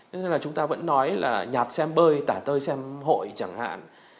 thế nên là chúng ta vẫn nói là nhạt xem bơi tả tơi xem hội chẳng hạn